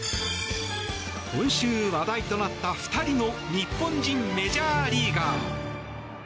今週、話題となった２人の日本人メジャーリーガー！